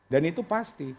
dan itu pasti